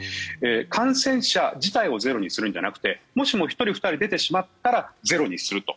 感染者自体をゼロにするんじゃなくてもしも１人、２人出てしまったらゼロにすると。